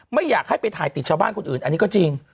ไม่อยากให้ไปถ่ายติดชาวบ้านคนอื่นอันนี้ก็จริง